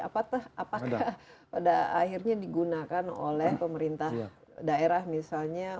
apakah pada akhirnya digunakan oleh pemerintah daerah misalnya